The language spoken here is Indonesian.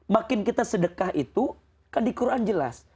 makin kita sedekah itu kan di quran jelas